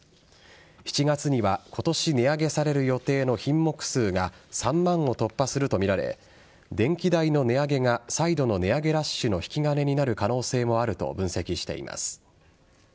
７月には今年値上げされる予定の品目数が３万を突破するとみられ電気代の値上げが再度の値上げラッシュの引き金となる可能性もあると分析しています。